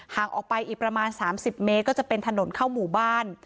ออกไปอีกประมาณ๓๐เมตรก็จะเป็นถนนเข้าหมู่บ้าน